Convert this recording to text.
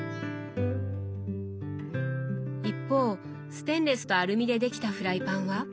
一方ステンレスとアルミでできたフライパンは？